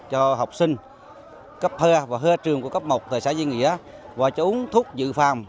cho học sinh cấp hơ và hơ trường của cấp một tại xã duy nghĩa và cho uống thuốc dự phòng